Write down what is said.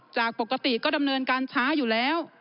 จากปกติก็ดำเนินการช้าอยู่แล้ว